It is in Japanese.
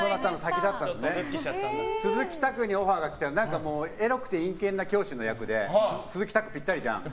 鈴木拓にオファーが来たのエロくて陰険な教師の役で鈴木拓ぴったりじゃん。